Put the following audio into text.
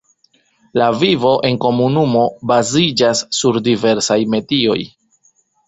La vivo enkomunumo baziĝas sur diversaj metioj.